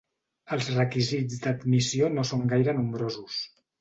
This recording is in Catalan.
Els requisits d'admissió no són gaire nombrosos.